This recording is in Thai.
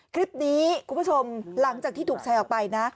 คลิปนี้คุณผู้ชมหลังจากที่ถูกแชร์ออกไปนะ